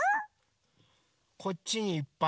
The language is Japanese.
こっちにいっぱい。